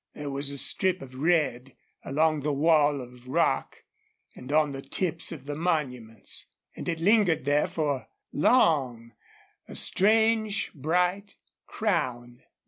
There was a strip of red along the wall of rock and on the tips of the monuments, and it lingered there for long, a strange, bright crown.